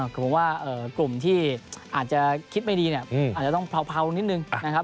ผมว่ากลุ่มที่อาจจะคิดไม่ดีเนี่ยอาจจะต้องเผานิดนึงนะครับ